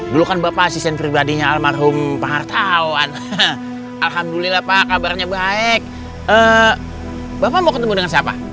dulu kan bapak asisten pribadinya almarhum pak hartawan alhamdulillah pak kabarnya baik bapak mau ketemu dengan siapa